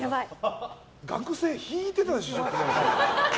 学生引いてたでしょ。